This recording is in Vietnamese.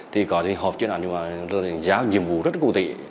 thì có hộp chuyên án giáo nhiệm vụ rất cụ thể